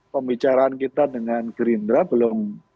pembicaraan kita dengan gerindra belum